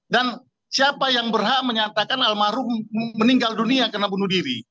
dan siapa yang berhak menyatakan almarhum meninggal dunia karena bunuh diri